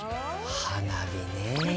花火ね。